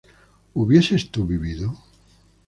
¿hubieses tú vivido?